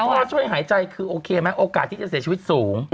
ช่วยหายใจคือโอเคไหมโอกาสที่จะเสียชีวิตสูง